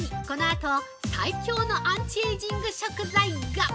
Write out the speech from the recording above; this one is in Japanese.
このあと最強のアンチエイジング食材が！